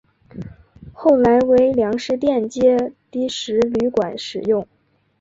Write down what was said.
后来为粮食店街第十旅馆使用。